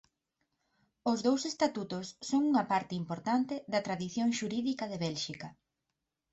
Os dous estatutos son unha parte importante da tradición xurídica de Bélxica.